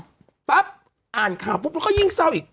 ปั๊บอ่านข่าวปุ๊บแล้วก็ยิ่งเศร้าอีก